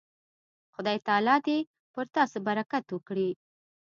خدای تعالی دې پر تاسو برکت وکړي.